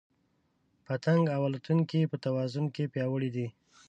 پتنګ او الوتونکي په توازن کې پیاوړي دي.